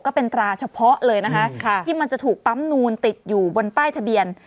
ตราเฉพาะเลยนะคะที่มันจะถูกปั๊มนูนติดอยู่บนป้ายทะเบียน